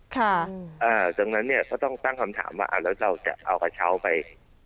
ตรงนั้นเนี่ยก็ต้องตั้งคำถามว่าอ่าแล้วเราจะเอากระเช้าไป